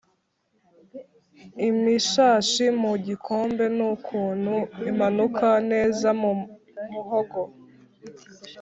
ibishashi mu gikombe nukuntu imanuka neza mu muhogo